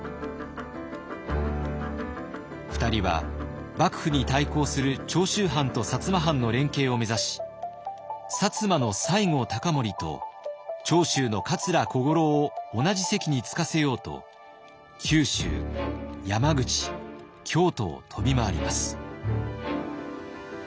２人は幕府に対抗する長州藩と摩藩の連携を目指し摩の西郷隆盛と長州の桂小五郎を同じ席につかせようと九州山口京都を飛び回ります。